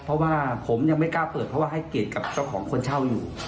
เพราะว่าผมยังไม่กล้าเปิดเพราะว่าให้เกียรติกับเจ้าของคนเช่าอยู่